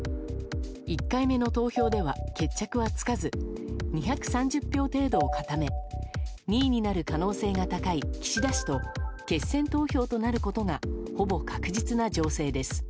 １回目の投票では決着がつかず２３０票程度を固め２位になる可能性が高い岸田氏と決選投票となることがほぼ確実な情勢です。